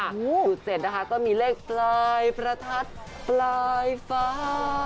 จุดเสร็จนะคะก็มีเลขปลายประทัดปลายฟ้า